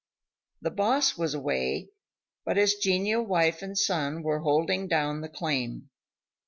The boss was away, but his genial wife and son were holding down the claim.